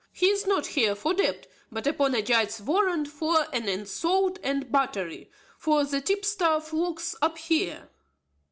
He is not here for debt, but upon a judge's warrant for an assault and battery; for the tipstaff locks up here."